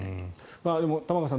でも、玉川さん